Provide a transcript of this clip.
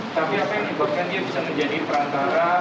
tapi apa yang menyebabkan dia bisa menjadi perantara